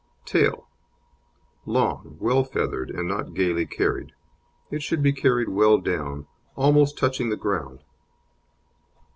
TAIL Long, well feathered, and not gaily carried. It should be carried well down, almost touching the ground.